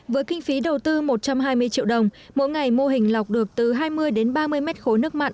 với kinh phí đầu tư một trăm hai mươi triệu đồng mỗi ngày mô hình lọc được từ hai mươi đến ba mươi mét khối nước mặn